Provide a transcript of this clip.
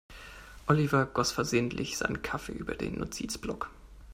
Oliver goss versehentlich seinen Kaffee über den Notizblock.